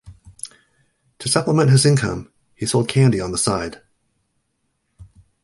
To supplement his income, he sold candy on the side.